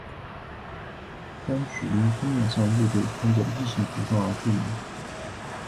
单曲因封面上乐队穿着异性服装而著名。